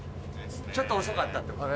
・ちょっと遅かったってこと？